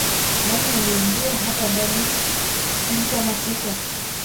Nani aliingia hapa ndani kama siko?